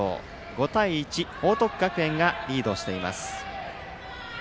５対１、報徳学園がリードしています。